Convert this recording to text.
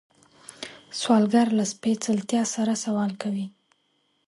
سوالګر له سپېڅلتیا سره سوال کوي